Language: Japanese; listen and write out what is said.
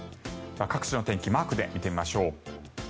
各地の天気マークで見てみましょう。